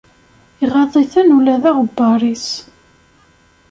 Iɣaḍen-iten ula d aɣebbar-is.